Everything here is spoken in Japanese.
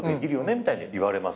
みたいに言われます。